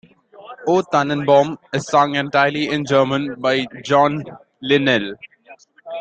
"O Tannenbaum" is sung entirely in German by John Linnell.